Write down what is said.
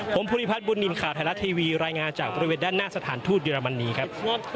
ผมภูริพัฒนบุญนินทร์ข่าวไทยรัฐทีวีรายงานจากบริเวณด้านหน้าสถานทูตเยอรมนีครับ